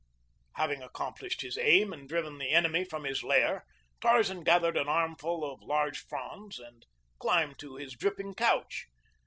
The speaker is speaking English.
Having accomplished his aim and driven the enemy from his lair, Tarzan gathered an armful of large fronds and climbed to his dripping couch.